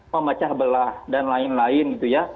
memecah belah dan lain lain gitu ya